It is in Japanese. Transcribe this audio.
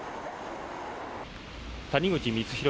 谷口光弘